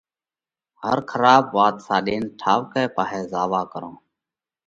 هر کراٻ وات ساڏينَ ٺائُوڪئہ پاهئہ زاوا ڪرونه۔